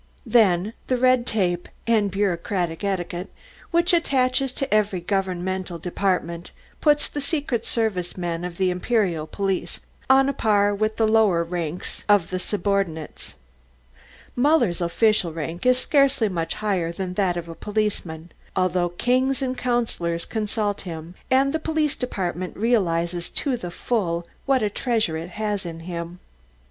Then, the red tape and bureaucratic etiquette which attaches to every governmental department, puts the secret service men of the Imperial police on a par with the lower ranks of the subordinates. Muller's official rank is scarcely much higher than that of a policeman, although kings and councillors consult him and the Police Department realises to the full what a treasure it has in him.